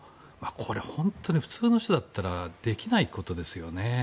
これは本当に普通の人だったらできないことですよね。